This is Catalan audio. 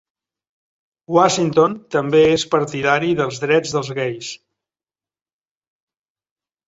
Washington també és partidari dels drets dels gais.